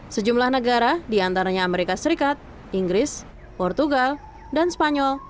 sejumlah negara diantaranya amerika serikat inggris portugal dan spanyol